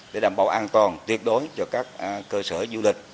để đảm bảo an toàn tuyệt đối cho các cơ sở du lịch